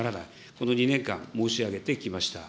この２年間、申し上げてきました。